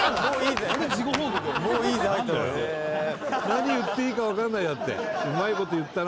何売っていいか分かんないだって。